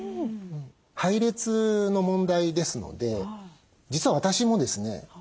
配列の問題ですので実は私もですね